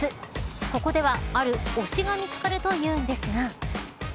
ここではある推しが見つかると言うんですが。